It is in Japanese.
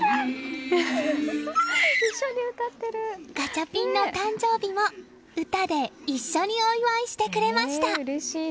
ガチャピンの誕生日も歌で一緒にお祝いしてくれました。